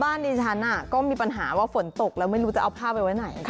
ดิฉันก็มีปัญหาว่าฝนตกแล้วไม่รู้จะเอาผ้าไปไว้ไหน